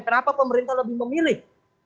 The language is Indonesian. kenapa pemerintah lebih memilih